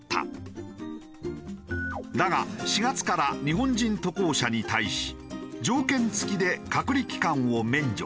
だが４月から日本人渡航者に対し条件付きで隔離期間を免除。